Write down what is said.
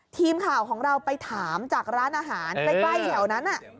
ทีมข่าวของเราไปถามจากร้านอาหารใกล้แถวนั้น